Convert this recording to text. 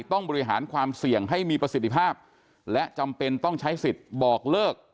ต้องบริหารความเสี่ยงให้มีประสิทธิภาพและจำเป็นต้องใช้สิทธิ์บอกเลิก